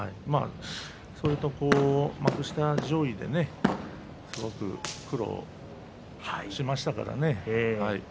それと幕下上位ですごく苦労しましたからね。